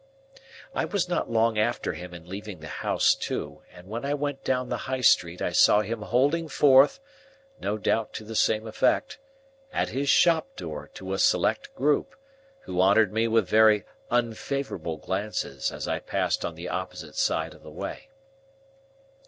I was not long after him in leaving the house too, and when I went down the High Street I saw him holding forth (no doubt to the same effect) at his shop door to a select group, who honoured me with very unfavourable glances as I passed on the opposite side of the way.